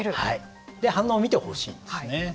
反応を見てほしいんですね。